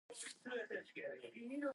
The two are destined to reunite.